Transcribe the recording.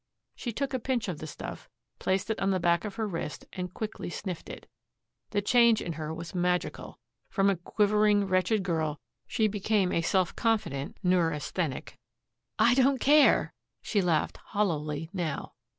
She took a pinch of the stuff, placed it on the back of her wrist and quickly sniffed it. The change in her was magical. From a quivering wretched girl she became a self confident neurasthenic. "I don't care," she laughed hollowly now.